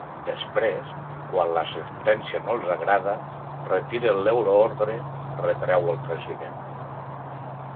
Després, quan la sentència no els agrada, retiren l’euroordre, retreu el president.